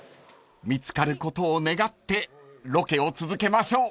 ［見つかることを願ってロケを続けましょう］